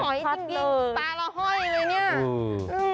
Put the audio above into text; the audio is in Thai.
หงอยจริงตาเราห้อยเลยเนี่ย